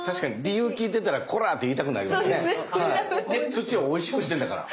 土をおいしくしてんだから。